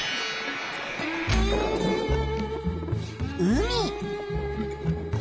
海。